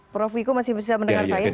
prof wiku masih bisa mendengar saya